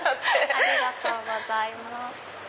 ありがとうございます。